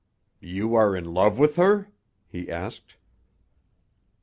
"You are in love with her?" he asked.